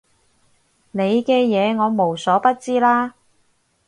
你嘅嘢我無所不知啦